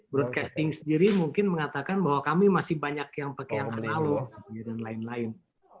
broadcasting sendiri mungkin mengatakan bahwa kami masih banyak yang pakai yang analog dan lain lain